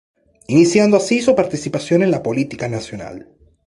Iniciando así su participación en la política nacional.